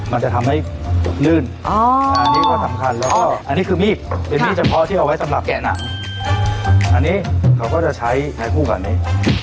อันนี้เขาก็จะใช้ในคู่กันนี้